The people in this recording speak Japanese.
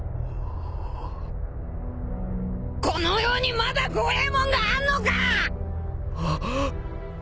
この世にまだ怖えもんがあんのか！？